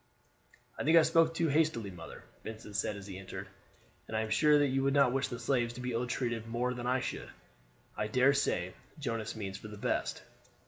"I think I spoke too hastily, mother," Vincent said as he entered; "and I am sure that you would not wish the slaves to be ill treated more than I should. I dare say Jonas means for the best."